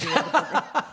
ハハハハ。